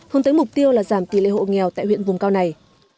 hướng tới mục tiêu là giảm tỷ lệ hộ nghèo tại huyện vùng cao này